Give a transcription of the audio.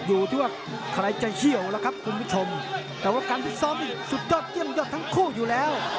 อยู่ที่ว่าใครจะเขี้ยวแล้วครับคุณผู้ชมแต่ว่าการพิซ้อมนี่สุดยอดเยี่ยมยอดทั้งคู่อยู่แล้ว